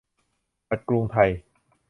บัตรกรุงไทย